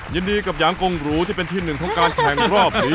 ยินดีกับยางกงหรูที่เป็นที่หนึ่งของการแข่งรอบนี้